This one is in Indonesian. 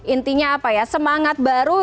intinya apa ya semangat baru